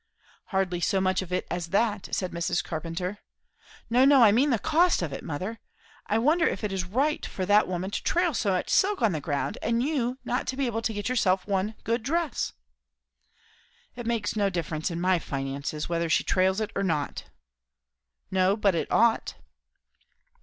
"Hardly so much of it as that," said Mrs. Carpenter. "No, no; I mean the cost of it. Mother, I wonder if it is right, for that woman to trail so much silk on the ground, and you not to be able to get yourself one good dress?" "It makes no difference in my finances, whether she trails it or not." "No, but it ought."